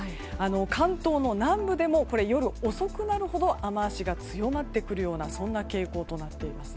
関東の南部でも夜遅くなるほど雨脚が強まってくるようなそんな傾向となっています。